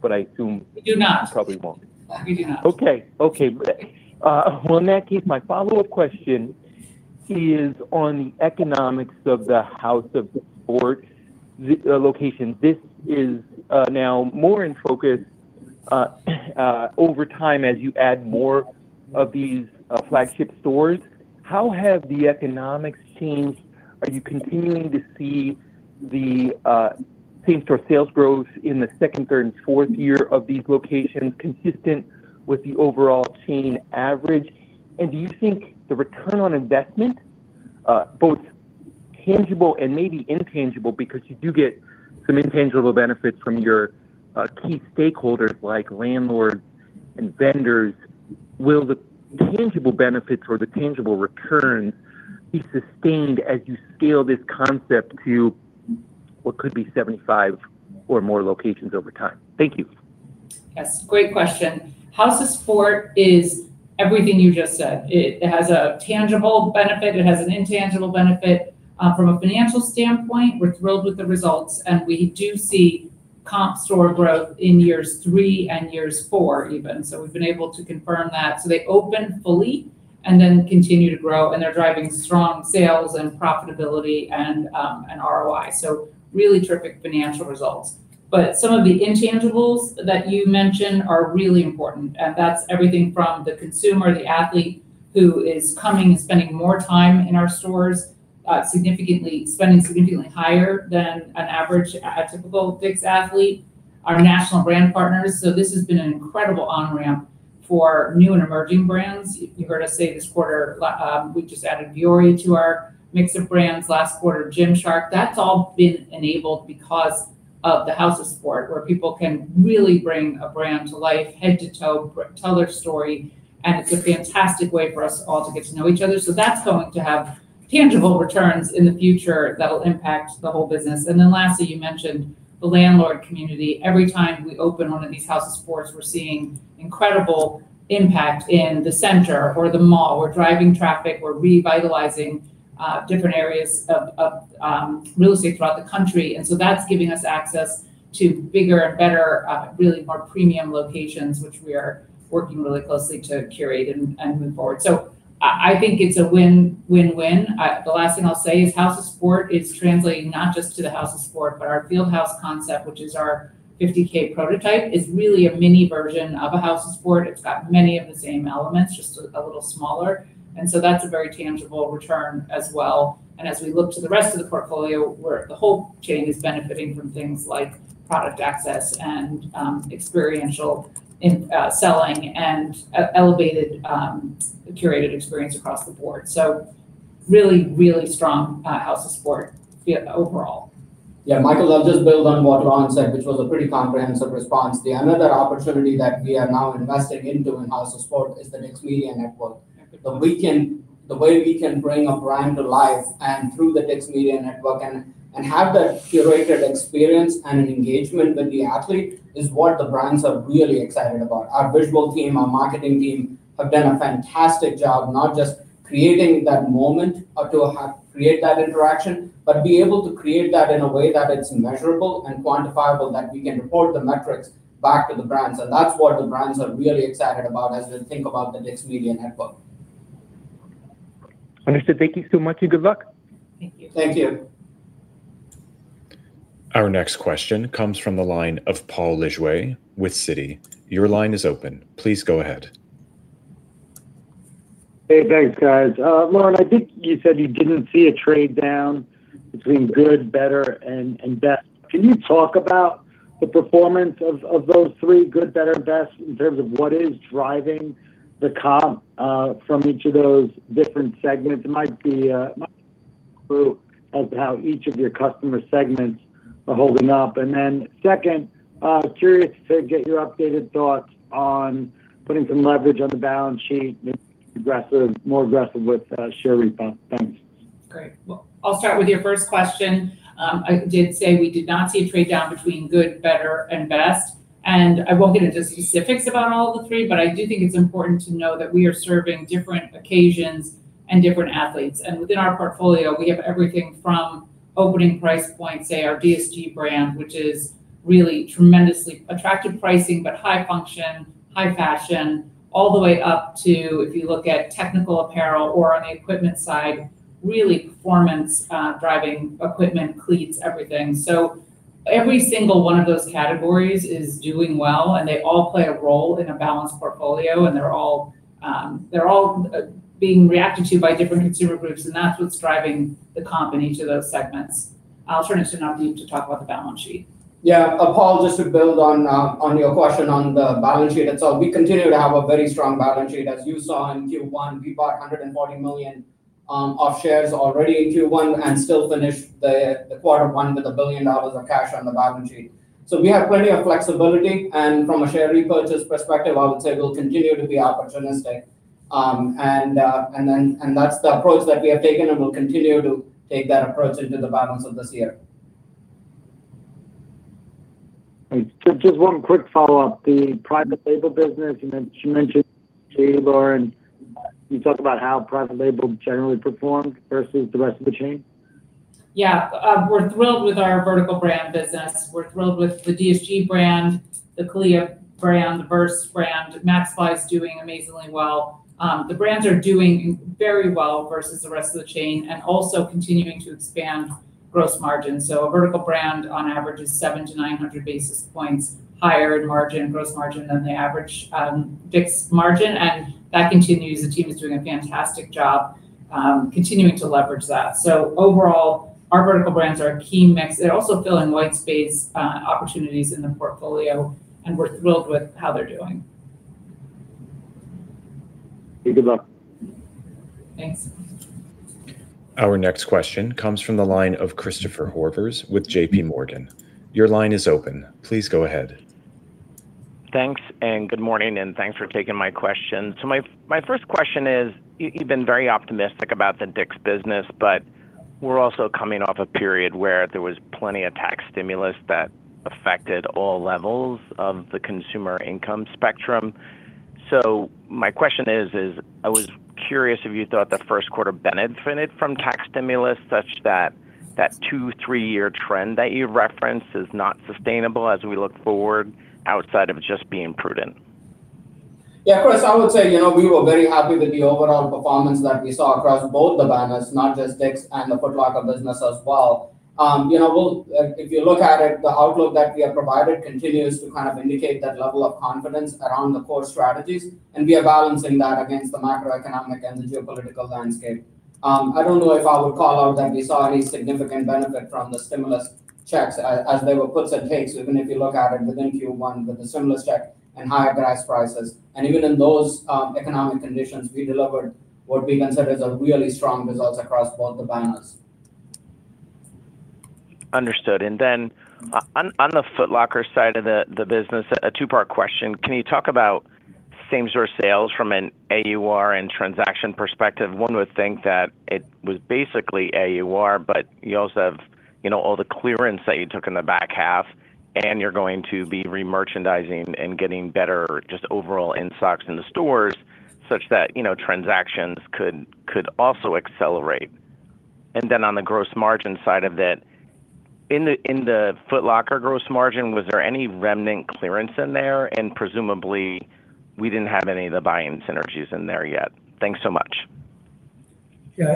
[SPEAKER 11] I assume.
[SPEAKER 4] We do not.
[SPEAKER 11] You probably won't.
[SPEAKER 4] We do not.
[SPEAKER 11] Okay. Well, in that case, my follow-up question is on the economics of the House of Sport locations. This is now more in focus over time as you add more of these flagship stores. How have the economics changed? Are you continuing to see the same store sales growth in the second, third, and fourth year of these locations consistent with the overall chain average? Do you think the return on investment, both tangible and maybe intangible, because you do get some intangible benefits from your key stakeholders like landlords and vendors, will the tangible benefits or the tangible return be sustained as you scale this concept to what could be 75 or more locations over time? Thank you.
[SPEAKER 4] Yes. Great question. House of Sport is everything you just said. It has a tangible benefit. It has an intangible benefit. From a financial standpoint, we're thrilled with the results. We do see comp store growth in years three and years four even. We've been able to confirm that. They open fully and then continue to grow, and they're driving strong sales and profitability and ROI. Really terrific financial results. Some of the intangibles that you mentioned are really important, and that's everything from the consumer, the athlete, who is coming and spending more time in our stores, spending significantly higher than an average, a typical DICK'S athlete, our national brand partners. This has been an incredible on-ramp for new and emerging brands. You heard us say this quarter, we just added Vuori to our mix of brands. Last quarter, Gymshark. That's all been enabled because of the House of Sport, where people can really bring a brand to life head to toe, tell their story, and it's a fantastic way for us all to get to know each other. That's going to have tangible returns in the future that'll impact the whole business. Lastly, you mentioned the landlord community. Every time we open one of these House of Sports, we're seeing incredible impact in the center or the mall. We're driving traffic. We're revitalizing different areas of real estate throughout the country, that's giving us access to bigger and better, really more premium locations, which we are working really closely to curate and move forward. I think it's a win-win-win. The last thing I'll say is House of Sport is translating not just to the House of Sport, but our Field House concept, which is our 50K prototype, is really a mini version of a House of Sport. It's got many of the same elements, just a little smaller. That's a very tangible return as well. As we look to the rest of the portfolio, where the whole chain is benefiting from things like product access and experiential selling and elevated curated experience across the board. Really, really strong House of Sport overall.
[SPEAKER 5] Yeah, Michael, I'll just build on what Lauren said, which was a pretty comprehensive response. The another opportunity that we are now investing into in House of Sport is the DICK'S Media Network. The way we can bring a brand to life and through the DICK'S Media Network and have that curated experience and engagement with the athlete is what the brands are really excited about. Our visual team, our marketing team, have done a fantastic job, not just creating that moment or to create that interaction, but be able to create that in a way that it's measurable and quantifiable, that we can report the metrics back to the brands. That's what the brands are really excited about as they think about the DICK'S Media Network.
[SPEAKER 11] Understood. Thank you so much and good luck.
[SPEAKER 4] Thank you.
[SPEAKER 5] Thank you.
[SPEAKER 1] Our next question comes from the line of Paul Lejuez with Citi. Your line is open. Please go ahead.
[SPEAKER 12] Hey, thanks guys. Lauren, I think you said you didn't see a trade-down between good, better and best. Can you talk about the performance of those three, good, better, best, in terms of what is driving the comp from each of those different segments? It might be a clue as to how each of your customer segments are holding up. Second, curious to get your updated thoughts on putting some leverage on the balance sheet, maybe more aggressive with share repurchase. Thanks.
[SPEAKER 4] Great. Well, I'll start with your first question. I did say we did not see a trade-down between good, better, and best, and I won't get into specifics about all the three, but I do think it's important to know that we are serving different occasions and different athletes. Within our portfolio, we have everything from opening price points, say our DSG brand, which is really tremendously attractive pricing, but high function, high fashion, all the way up to, if you look at technical apparel or on the equipment side, really performance driving equipment, cleats, everything. Every single one of those categories is doing well, and they all play a role in a balanced portfolio, and they're all being reacted to by different consumer groups, and that's what's driving the comp in each of those segments. I'll turn it to Navdeep to talk about the balance sheet.
[SPEAKER 5] Yeah. Paul, just to build on your question on the balance sheet itself, we continue to have a very strong balance sheet. As you saw in Q1, we bought $140 million of shares already in Q1 and still finished the quarter one with $1 billion of cash on the balance sheet. We have plenty of flexibility, and from a share repurchase perspective, I would say we'll continue to be opportunistic. That's the approach that we have taken, and we'll continue to take that approach into the balance of this year.
[SPEAKER 12] Great. Just one quick follow-up. The private label business, you mentioned earlier, can you talk about how private label generally performed versus the rest of the chain?
[SPEAKER 4] Yeah. We're thrilled with our vertical brand business. We're thrilled with the DSG brand, the CALIA brand, the VRST brand. Maxfli is doing amazingly well. The brands are doing very well versus the rest of the chain, and also continuing to expand gross margin. A vertical brand on average is 700-900 basis points higher in margin, gross margin, than the average DICK'S margin, and that continues. The team is doing a fantastic job continuing to leverage that. Overall, our vertical brands are a key mix. They're also filling white space opportunities in the portfolio, and we're thrilled with how they're doing.
[SPEAKER 12] Okay. Good luck.
[SPEAKER 4] Thanks.
[SPEAKER 1] Our next question comes from the line of Christopher Horvers with JPMorgan. Your line is open. Please go ahead.
[SPEAKER 13] Thanks, and good morning, and thanks for taking my question. My first question is, you've been very optimistic about the DICK'S business, but we're also coming off a period where there was plenty of tax stimulus that affected all levels of the consumer income spectrum. My question is, I was curious if you thought the first quarter benefited from tax stimulus such that two, three-year trend that you referenced is not sustainable as we look forward outside of just being prudent?
[SPEAKER 5] Yeah, Chris, I would say, we were very happy with the overall performance that we saw across both the banners, not just DICK'S and the Foot Locker business as well. If you look at it, the outlook that we have provided continues to kind of indicate that level of confidence around the core strategies, we are balancing that against the macroeconomic and the geopolitical landscape. I don't know if I would call out that we saw any significant benefit from the stimulus checks as they were puts and takes, even if you look at it within Q1 with the stimulus check and higher gas prices, even in those economic conditions, we delivered what we consider as a really strong results across both the banners.
[SPEAKER 13] Understood. On the Foot Locker side of the business, a two-part question. Can you talk about same store sales from an AUR and transaction perspective? One would think that it was basically AUR, but you also have all the clearance that you took in the back half, and you're going to be re-merchandising and getting better just overall in stocks in the stores such that transactions could also accelerate. On the gross margin side of it, in the Foot Locker gross margin, was there any remnant clearance in there? Presumably, we didn't have any of the buy-in synergies in there yet. Thanks so much.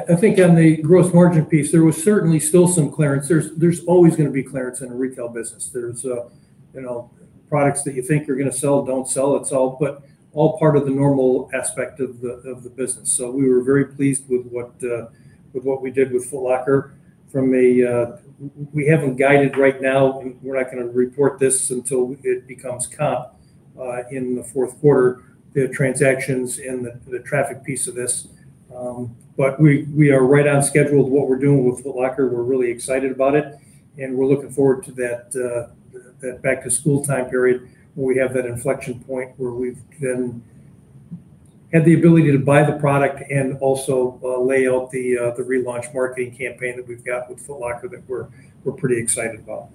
[SPEAKER 3] I think on the gross margin piece, there was certainly still some clearance. There's always going to be clearance in a retail business. There's products that you think you're going to sell, don't sell. It's all part of the normal aspect of the business. We were very pleased with what we did with Foot Locker. We haven't guided right now, and we're not going to report this until it becomes comp in the fourth quarter, the transactions and the traffic piece of this. We are right on schedule with what we're doing with Foot Locker. We're really excited about it, we're looking forward to that back to school time period, where we have that inflection point where we've then had the ability to buy the product and also lay out the relaunch marketing campaign that we've got with Foot Locker that we're pretty excited about.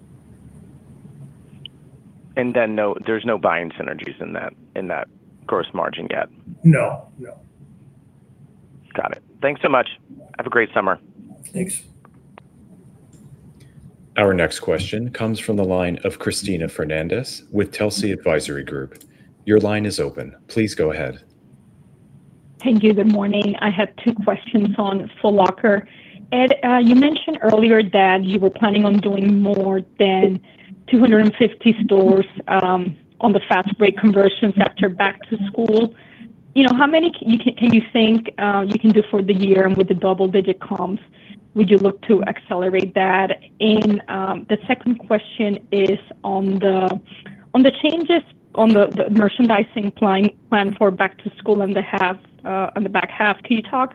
[SPEAKER 13] There's no buy-in synergies in that gross margin yet?
[SPEAKER 3] No.
[SPEAKER 13] Got it. Thanks so much. Have a great summer.
[SPEAKER 3] Thanks.
[SPEAKER 1] Our next question comes from the line of Cristina Fernández with Telsey Advisory Group. Your line is open. Please go ahead.
[SPEAKER 14] Thank you. Good morning. I have two questions on Foot Locker. Ed, you mentioned earlier that you were planning on doing more than 250 stores on the Fast Break conversions after back to school. How many do you think you can do for the year and with the double-digit comps? Would you look to accelerate that? The second question is on the changes on the merchandising plan for back to school on the back half, can you talk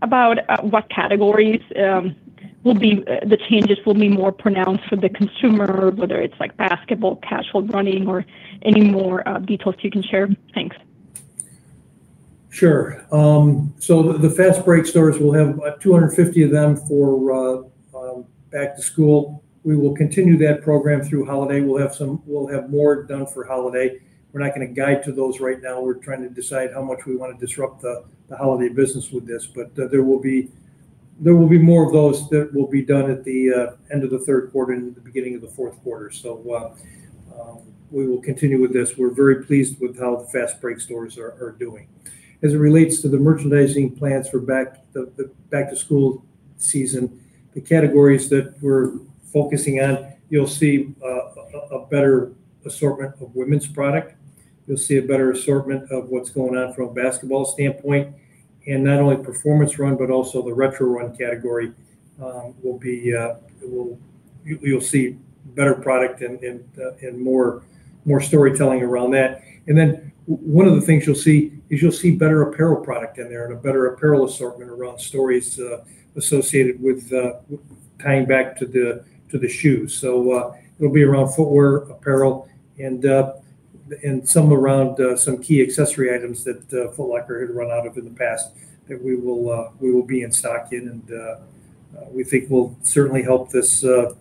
[SPEAKER 14] about what categories the changes will be more pronounced for the consumer, whether it's basketball, casual, running, or any more details you can share? Thanks.
[SPEAKER 3] Sure. The Fast Break stores, we'll have about 250 of them for back to school. We will continue that program through holiday. We'll have more done for holiday. We're not going to guide to those right now. We're trying to decide how much we want to disrupt the holiday business with this. There will be more of those that will be done at the end of the third quarter and the beginning of the fourth quarter. We will continue with this. We're very pleased with how the Fast Break stores are doing. As it relates to the merchandising plans for the back to school season, the categories that we're focusing on, you'll see a better assortment of women's product. You'll see a better assortment of what's going on from a basketball standpoint, and not only Performance Run, but also the Retro Run category. You'll see better product and more storytelling around that. One of the things you'll see is you'll see better apparel product in there and a better apparel assortment around stories associated with tying back to the shoes. It'll be around footwear, apparel, and some around some key accessory items that Foot Locker had run out of in the past that we will be in stock in, and we think will certainly help the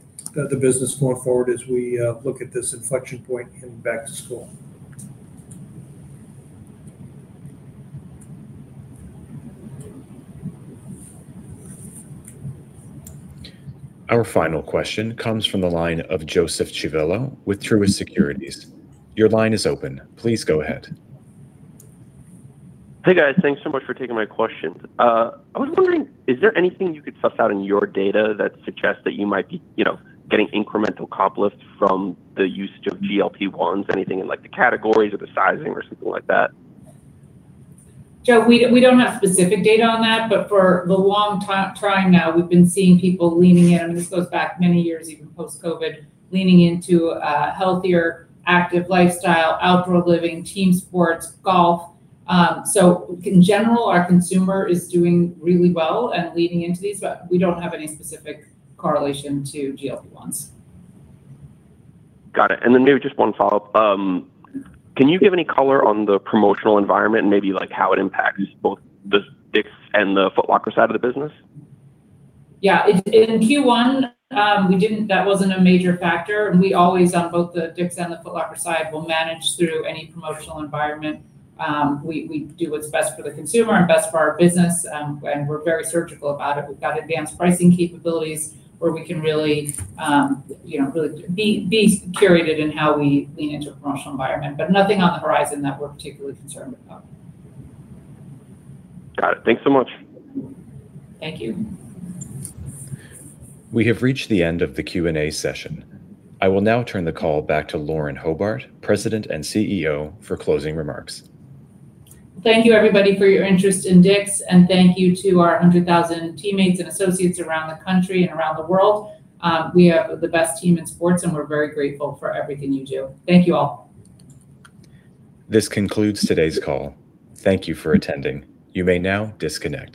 [SPEAKER 3] business going forward as we look at this inflection point heading back to school.
[SPEAKER 1] Our final question comes from the line of Joseph Civello with Truist Securities. Your line is open. Please go ahead.
[SPEAKER 15] Hey, guys. Thanks so much for taking my questions. I was wondering, is there anything you could suss out in your data that suggests that you might be getting incremental comp lifts from the usage of GLP-1s, anything in the categories or the sizing or something like that?
[SPEAKER 4] Joe, we don't have specific data on that, but for the long time now, we've been seeing people leaning in, and this goes back many years, even post-COVID, leaning into a healthier, active lifestyle, outdoor living, team sports, golf. In general, our consumer is doing really well and leaning into these, but we don't have any specific correlation to GLP-1s.
[SPEAKER 15] Got it. Maybe just one follow-up. Can you give any color on the promotional environment and maybe how it impacts both the DICK'S and the Foot Locker side of the business?
[SPEAKER 4] Yeah. In Q1, that wasn't a major factor. We always, on both the DICK'S and the Foot Locker side, will manage through any promotional environment. We do what's best for the consumer and best for our business, and we're very surgical about it. We've got advanced pricing capabilities where we can really be curated in how we lean into a promotional environment, but nothing on the horizon that we're particularly concerned about.
[SPEAKER 15] Got it. Thanks so much.
[SPEAKER 4] Thank you.
[SPEAKER 1] We have reached the end of the Q&A session. I will now turn the call back to Lauren Hobart, President and CEO, for closing remarks.
[SPEAKER 4] Thank you, everybody, for your interest in DICK'S, and thank you to our 100,000 teammates and associates around the country and around the world. We are the best team in sports, and we're very grateful for everything you do. Thank you all.
[SPEAKER 1] This concludes today's call. Thank you for attending. You may now disconnect.